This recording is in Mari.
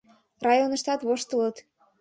Районыштат воштылыт.